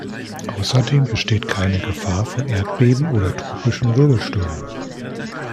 Außerdem besteht keine Gefahr von Erdbeben oder tropischen Wirbelstürmen.